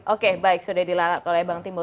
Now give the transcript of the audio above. oke baik sudah dilarak oleh bang timbo